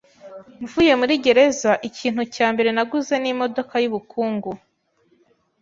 Mvuye muri gereza, ikintu cya mbere naguze ni imodoka yubukungu.